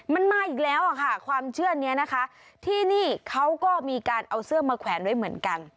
มันมาอีกแล้วอะค่ะความเชื่อนี้นะคะที่นี่เขาก็มีการเอาเสื้อมาแขวนไว้เหมือนกัน